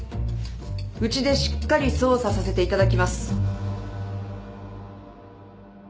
うちでしっかり捜査させていただきます。